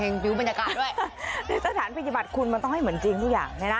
ในสถานพิจัติคุณมันต้องให้เหมือนจริงทุกอย่าง